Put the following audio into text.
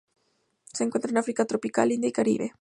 Se encuentran en África tropical, India, Caribe.